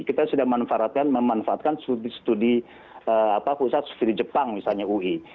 kita sudah memanfaatkan studi pusat studi jepang misalnya ui